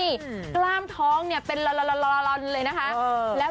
ตอนนี้กล้ามท้องเนี่ยเป็นความล้อนเลยนะคะ